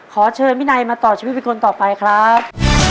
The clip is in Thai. ขอเชิญวินัยมาต่อชีวิตเป็นคนต่อไปครับ